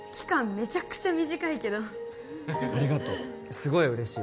めちゃくちゃ短いけどありがとうすごい嬉しい